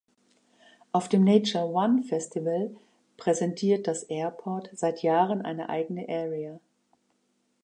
Auf dem Nature-One-Festival präsentiert das Airport seit Jahren eine eigene Area.